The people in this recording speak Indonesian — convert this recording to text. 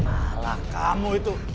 alah kamu itu